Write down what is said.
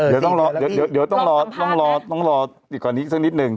เดี๋ยวต้องรออยู่ก่อนอีกสักนิดนึง